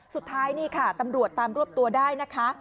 สุดท้ายนี่ค่ะตำรวจตามรวบตัวได้นะคะ